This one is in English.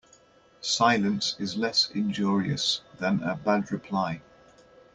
Silence is less injurious than a bad reply.